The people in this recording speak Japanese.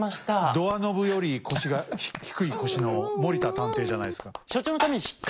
ドアノブより腰が低い腰の森田探偵じゃないですか。